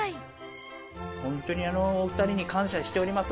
本当にお二人に感謝しております。